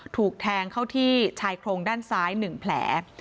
ถูกแทงเข้าที่ชายโครงด้านซ้าย๑แผล